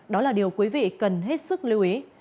đó là điều quý vị cần hết sức lưu ý